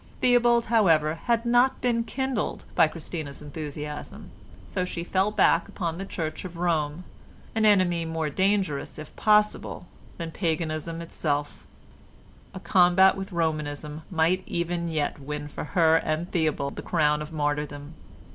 Theobald, however, had not been kindled by Christina's enthusiasm, so she fell back upon the Church of Rome—an enemy more dangerous, if possible, than paganism itself. A combat with Romanism might even yet win for her and Theobald the crown of martyrdom.